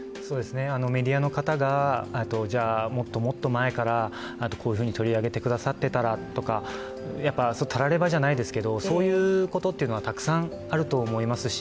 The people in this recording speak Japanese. メディアの方がじゃ、もっともっと前からこういうふうに取り上げてくださっていたらとかたらればじゃないですけど、そういうことっていうのはたくさんあると思いますし